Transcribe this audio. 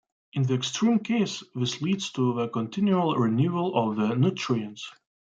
In the extreme case, this leads to the continual renewal of the nutrients.